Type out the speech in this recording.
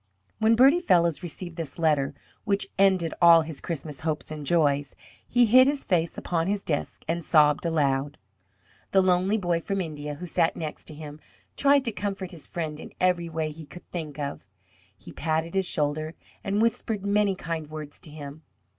When Bertie Fellows received this letter, which ended all his Christmas hopes and joys, he hid his face upon his desk and sobbed aloud. The lonely boy from India, who sat next to him, tried to comfort his friend in every way he could think of. He patted his shoulder and whispered many kind words to him.